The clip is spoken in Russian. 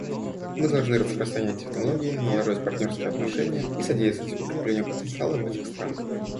Мы должны распространять технологии, налаживать партнерские отношения и содействовать укреплению потенциала в этих странах.